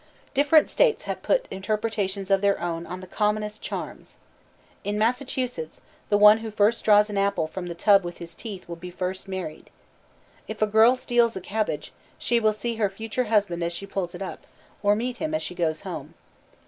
Different states have put interpretations of their own on the commonest charms. In Massachusetts the one who first draws an apple from the tub with his teeth will be first married. If a girl steals a cabbage, she will see her future husband as she pulls it up, or meet him as she goes home.